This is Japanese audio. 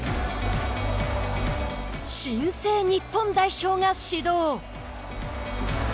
新生・日本代表が始動。